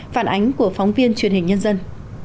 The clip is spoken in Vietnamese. phản ánh của phóng viên truyền hình nhân dân